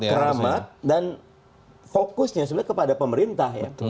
keramat dan fokusnya sebenarnya kepada pemerintah ya